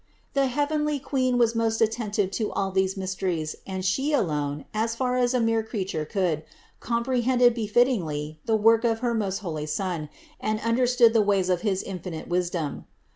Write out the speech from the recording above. The heavenly Queen was most attentive to all these mys teries and She alone, as far as a mere creature could, comprehended befittingly the work of her most holy Son and understood the ways of his infinite wisdom.